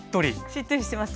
しっとりしてます？